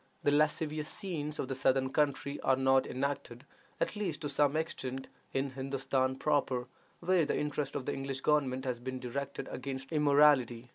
The lascivious scenes of the southern country are not enacted, at least to the same extent, in Hindostan proper, where the interest of the English government has been directed against immorality.